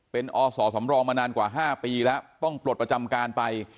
เป็นอศสำรองมานานกว่า๕ปีแล้วต้องปลดประจำการไป